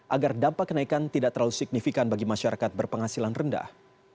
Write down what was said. agar dampak kenaikan tidak terlalu signifikan bagi masyarakat berpenghasilan rendah